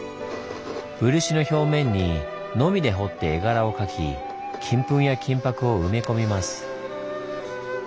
漆の表面にノミで彫って絵柄を描き金粉や金箔を埋め込みます。